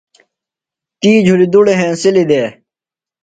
تی جُھلیۡ دُڑی ہنسِلیۡ دےۡ۔